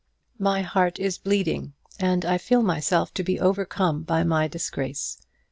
My heart is bleeding, and I feel myself to be overcome by my disgrace.